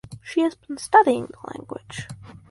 She has been studying the language.